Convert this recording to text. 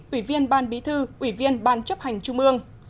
ủy viên ban bí thư ủy viên ban chấp hành trung ương